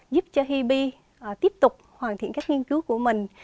giúp cho hip tiếp tục hoàn thiện các nghiên cứu của mình